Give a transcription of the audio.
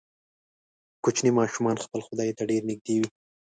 کوچني ماشومان خپل خدای ته ډیر نږدې وي.